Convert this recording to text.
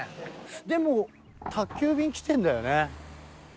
でも宅急便来てんだよね。